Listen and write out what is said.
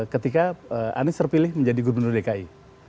ketika anies terpilih menjadi gubernur dki